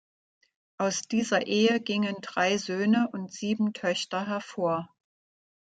Aus dieser Ehe gingen drei Söhne und sieben Töchter hervor.